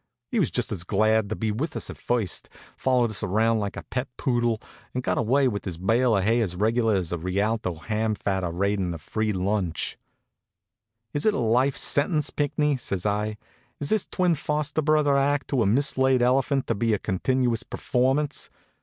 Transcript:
He was just as glad to be with us as at first, followed us around like a pet poodle, and got away with his bale of hay as regular as a Rialto hamfatter raidin' the free lunch. "Is it a life sentence, Pinckney?" says I. "Is this twin foster brother act to a mislaid elephant to be a continuous performance?